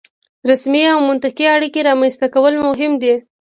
رسمي او منطقي اړیکې رامنځته کول مهم دي.